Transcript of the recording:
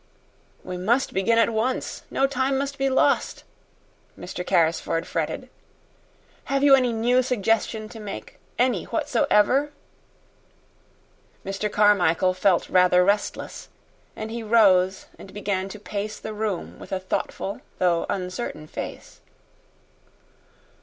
"We must begin at once. No time must be lost," Mr. Carrisford fretted. "Have you any new suggestion to make any whatsoever?" Mr. Carmichael felt rather restless, and he rose and began to pace the room with a thoughtful, though uncertain face.